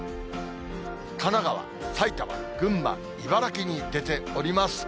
神奈川、埼玉、群馬、茨城に出ております。